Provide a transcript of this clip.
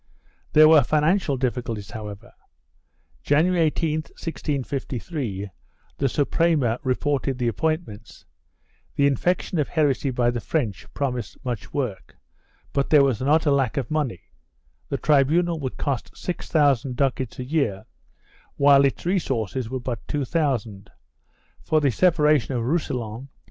3 There were financial diffi culties, however. January 18, 1653, the Suprema reported the appointments; the infection of heresy by the French promised much work, but there was an utter lack of money; the tribunal would cost six thousand ducats a year, while its resources were but two thousand, for the separation of Roussillon lost it a 1 Parets, T.